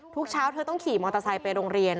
เช้าเธอต้องขี่มอเตอร์ไซค์ไปโรงเรียน